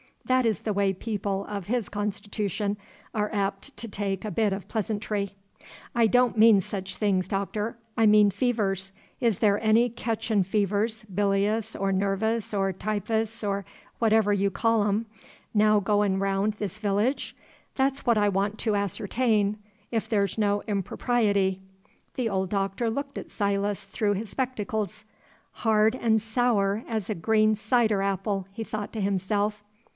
That is the way people of his constitution are apt to take a bit of pleasantry. "I don't mean sech things, Doctor; I mean fevers. Is there any ketchin' fevers bilious, or nervous, or typus, or whatever you call 'em now goin' round this village? That's what I want to ascertain, if there's no impropriety." The old Doctor looked at Silas through his spectacles. "Hard and sour as a green cider apple," he thought to himself.